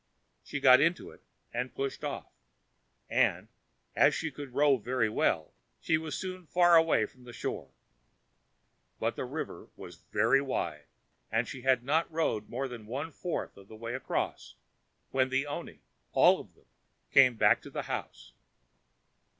She got into it and pushed off, and, as she could row very well, she was soon far away from the shore. But the river was very wide, and she had not rowed more than one fourth of the way across when the oni, all of them, came back to the house.